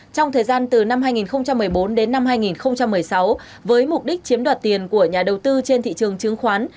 trong thời gian từ năm hai nghìn một mươi bốn đến năm hai nghìn một mươi sáu với mục đích chiếm đoạt tiền của nhà đầu tư trên thị trường chứng khoán